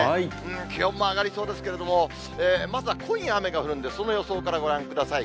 気温も上がりそうですけれども、まずは今夜、雨が降るんで、その予想からご覧ください。